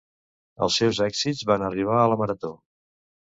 Els seus èxits van arribar a la marató.